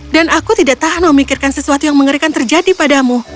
dan aku tidak tahan memikirkan sesuatu yang mengerikan terjadi padamu